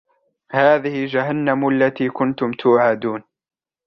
هذه جهنم التي كنتم توعدون